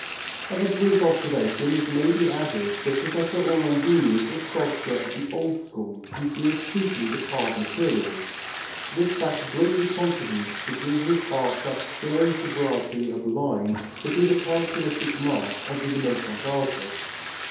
As a brief observation it may be added that Professor Orlandini is a sculptor of the old school who deals chiefly with hard materials. This fact greatly contributes to give his art that stern sobriety of line that is a characteristic mark of the Renaissance artist.